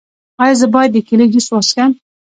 ایا زه باید د کیلي جوس وڅښم؟